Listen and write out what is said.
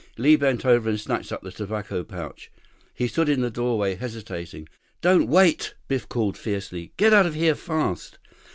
Li bent over and snatched up the tobacco pouch. He stood in the doorway, hesitating. "Don't wait!" Biff called fiercely. "Get out of here fast."